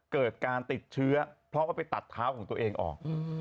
เกิดการติดเชื้อเพราะว่าไปตัดเท้าของตัวเองออก